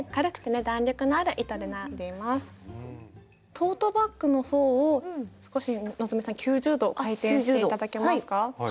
トートバッグのほうを少し希さん９０度回転して頂けますか。